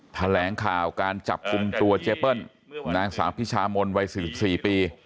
แถลงข่าวการจับกลุ่มตัวเจเปิ้ลนางสาวพิชามนวัย๔๔ปี